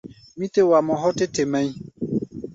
Mí tɛ́ wa mɔ hɔ́ tɛ́ te mɛʼí̧.